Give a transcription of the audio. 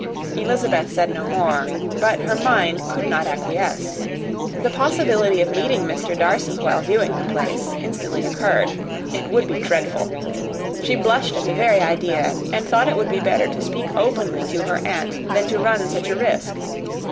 Elizabeth said no more; but her mind could not acquiesce. The possibility of meeting Mr. Darcy, while viewing the place, instantly occurred. It would be dreadful! She blushed at the very idea; and thought it would be better to speak openly to her aunt, than to run such a risk.